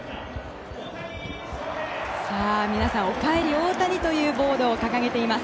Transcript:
皆さんおかえり大谷というボードを掲げています。